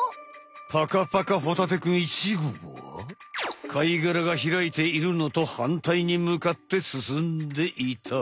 パカパカホタテくん１号は貝がらがひらいているのとはんたいにむかって進んでいた。